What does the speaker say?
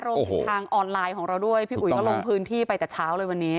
ทางออนไลน์ของเราด้วยพี่อุ๋ยก็ลงพื้นที่ไปแต่เช้าเลยวันนี้